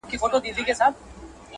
د ریاض تسنیم په اړه مشهوره ده